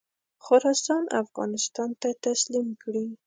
خراسان افغانستان ته تسلیم کړي.